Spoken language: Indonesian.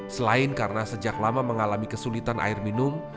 selain karena sejak lama mengalami kesulitan air minum